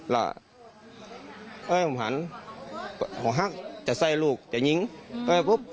แล้วเอ้ยผมหันหักจะใส่ลูกจะยิงเอ้ยปุ๊บ